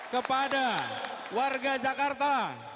kepada warga jakarta